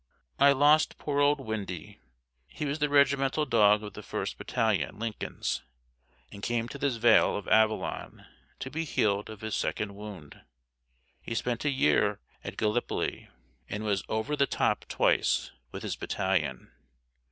I lost poor old Windy. He was the regimental dog of the 1st Batt. Lincolns, and came to this vale of Avalon to be healed of his second wound. He spent a year at Gallipoli and was "over the top" twice with his battalion.